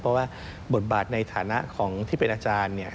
เพราะว่าบทบาทในฐานะของที่เป็นอาจารย์เนี่ย